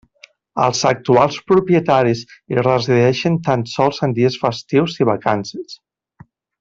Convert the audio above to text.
Els actuals propietaris hi resideixen tan sols en dies festius i vacances.